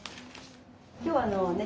今日あのね。